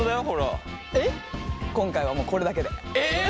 今回はもうこれだけで。え！？